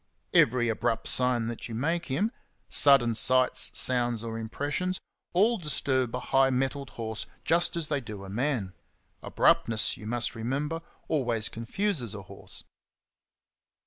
Every abrupt sign that you make him — sudden sights, sounds, or impressions — all disturb a high mettled horse just as they do a man. [Abruptness, you must re member, always confuses a horse.